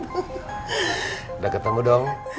udah ketemu dong